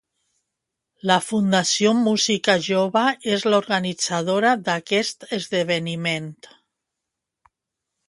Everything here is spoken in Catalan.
La Fundació Música Jove és l'organitzadora d'aquest esdeveniment.